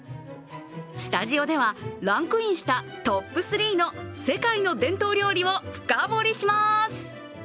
スタジオでは、ランクインしたトップ３の世界の伝統料理を深掘りします。